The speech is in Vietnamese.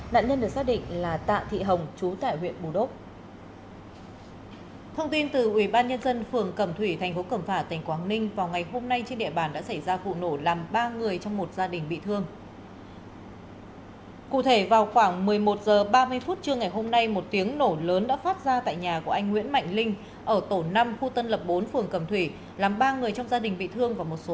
nạn nhân được xác định là tạ thị hồng chú tại huyện bù đốt